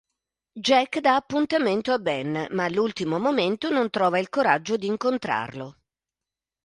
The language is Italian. Jack dà appuntamento a Ben, ma all'ultimo momento non trova il coraggio di incontrarlo.